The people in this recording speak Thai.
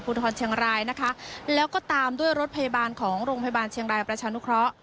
เปล่าครับไม่ได้ยินมันไม่มีเสียงอะไร